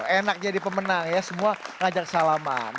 enak jadi pemenang ya semua ngajak salaman